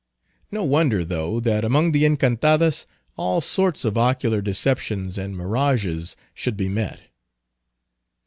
No wonder though, that among the Encantadas all sorts of ocular deceptions and mirages should be met.